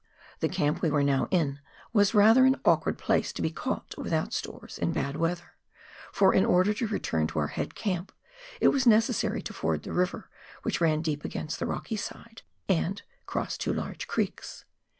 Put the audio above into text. The camp we were now in was rather an awkward place to be caught without stores in bad weather ; for, in order to return to our head camp, it was necessary to ford the river which ran deep against the rocky side, and cross two large creeks.